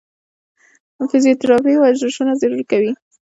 فزيوتراپي ورزشونه ضرور کوي -